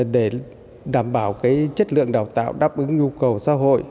để đảm bảo chất lượng đào tạo đáp ứng nhu cầu xã hội